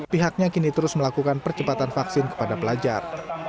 pihaknya kini terus melakukan percepatan vaksin kepada pelajar